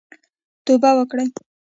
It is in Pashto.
توبه وکړئ